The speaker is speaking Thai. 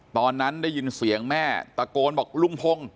ตอนนั้นได้ยินเสียงแม่ตะโกนบอกลุงพงศ์